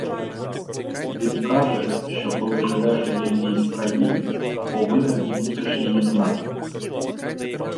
Він каже, що коли живеш в якійсь країні, — повинен і мусиш її знати.